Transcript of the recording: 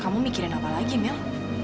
kamu mikirin apa lagi mil